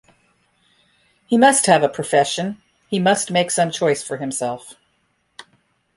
He must have a profession; he must make some choice for himself.